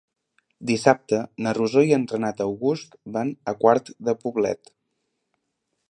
Dissabte na Rosó i en Renat August van a Quart de Poblet.